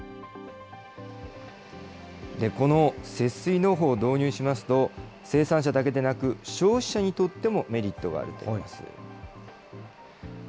この節水農法を導入しますと、生産者だけでなく、消費者にとってもメリットがあるといいます。